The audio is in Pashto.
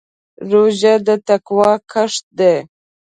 روژه د تقوا کښت دی.